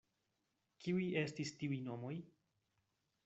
Kiuj estis tiuj nomoj?